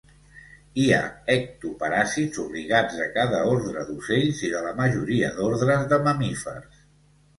Hi ha ectoparàsits obligats de cada ordre d'ocells i de la majoria d'ordres de mamífers.